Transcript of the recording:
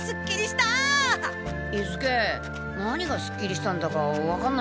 伊助何がすっきりしたんだか分かんないんだけど。